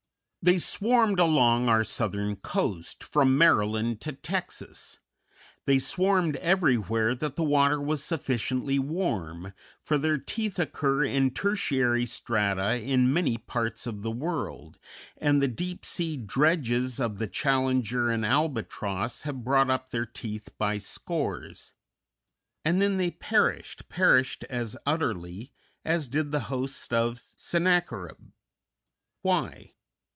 They swarmed along our southern coast, from Maryland to Texas; they swarmed everywhere that the water was sufficiently warm, for their teeth occur in Tertiary strata in many parts of the world, and the deep sea dredges of the Challenger and Albatross have brought up their teeth by scores. And then they perished, perished as utterly as did the hosts of Sennacherib. Why?